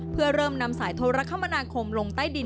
เพื่อเริ่มนำสายโทรคมนาคมลงใต้ดิน